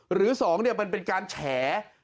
หรือสองเนี่ยเป็นการแฉ